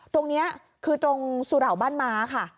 ตรงนี้คือตรงสุเหล่าบ้านม้าค่ะ